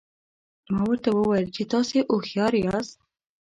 ما ورته وویل چې تاسي هوښیار یاست.